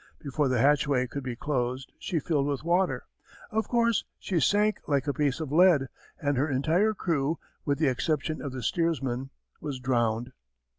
Before the hatchway could be closed, she filled with water. Of course, she sank like a piece of lead and her entire crew, with the exception of the steersman, was drowned.